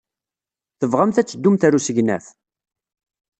Tebɣamt ad teddumt ɣer usegnaf?